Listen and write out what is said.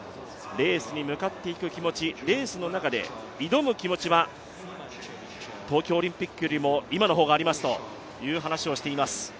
レースに向かっていく気持ち、レースの中で挑む気持ちは東京オリンピックよりも今の方がありますという話をしています。